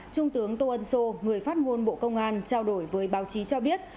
trung tướng tô ân sô người phát ngôn bộ công an trao đổi với báo chí cho biết